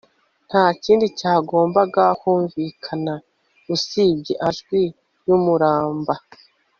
ntakindi cyagombaga kumvikana usibye amajwi yumuraba